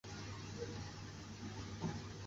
干草市场车站是苏格兰第八繁忙的车站。